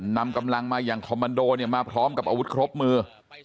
นำกำลังมาอย่างคอมมันโดเนี่ยมาพร้อมกับอาวุธครบมือ